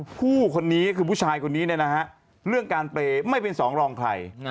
ผู้คนนี้คือผู้ชายคนนี้เนี่ยนะฮะเรื่องการเปรย์ไม่เป็นสองรองใคร